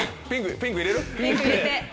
ピンク入れて。